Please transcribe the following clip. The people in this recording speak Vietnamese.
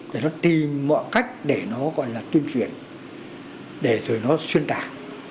để nó tìm mọi cách để nó gọi là tuyên truyền để rồi nó xuyên tạc